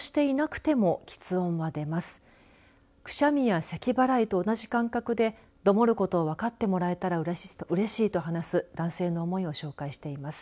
くしゃみや咳払いと同じ感覚でどもることを分かってもらえたらうれしいと話す男性の思いを紹介しています。